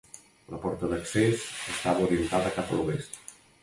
La porta d'accés estava orientada cap a l'oest.